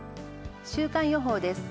週間予報です。